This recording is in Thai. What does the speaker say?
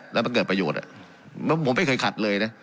แล้วมันเกิดประโยชน์ผมไม่เคยขัดเลยนะ